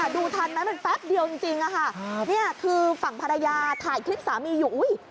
ดูทันไหมมันแป๊บเดียวจริงอะค่ะนี่คือฝั่งภรรยาถ่ายคลิปสามีอยู่อุ้ย